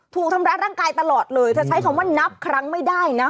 ถูกทำร้ายร่างกายตลอดเลยเธอใช้คำว่านับครั้งไม่ได้นะ